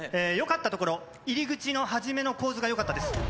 よかったところ、入り口の初めの構図がよかったです。